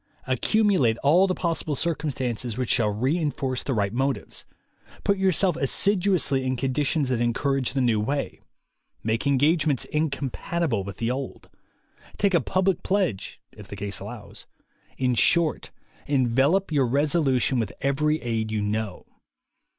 Accumulate all the possible circumstances which shall re enforce the right motives; put yourself assiduously in condi tions that encourage the new way; make engage ments incompatible with the old; take a public pledge, if the case allows; in short, envelop your resolution with every aid you know.